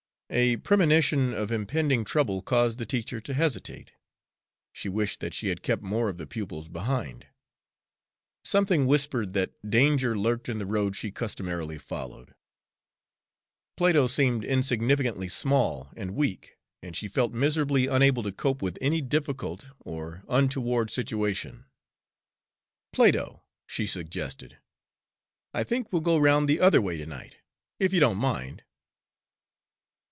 A premonition of impending trouble caused the teacher to hesitate. She wished that she had kept more of the pupils behind. Something whispered that danger lurked in the road she customarily followed. Plato seemed insignificantly small and weak, and she felt miserably unable to cope with any difficult or untoward situation. "Plato," she suggested, "I think we'll go round the other way to night, if you don't mind."